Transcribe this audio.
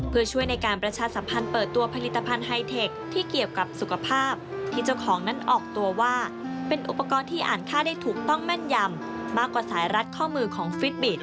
เพื่อช่วยในการประชาสัมพันธ์เปิดตัวผลิตภัณฑ์ไฮเทคที่เกี่ยวกับสุขภาพที่เจ้าของนั้นออกตัวว่าเป็นอุปกรณ์ที่อ่านค่าได้ถูกต้องแม่นยำมากกว่าสายรัดข้อมือของฟิตบิต